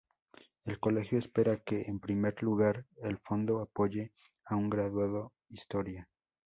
El colegio espera que, en primer lugar, el Fondo apoye a un graduado historia.